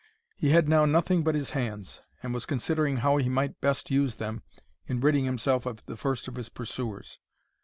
He had now nothing but his hands, and was considering how he might best use them in ridding himself of the first of his pursuers.